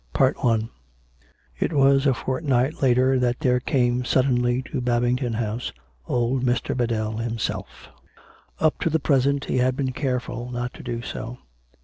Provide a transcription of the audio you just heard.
CHAPTER X It was a fortnight later that there came sruddenly to Bab ington House old Mr. Biddell himself. Up to the present he had been careful not to do so.